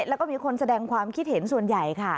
แล้วก็มีคนแสดงความคิดเห็นส่วนใหญ่ค่ะ